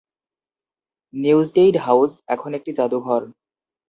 Newstead house এখন একটি জাদুঘর।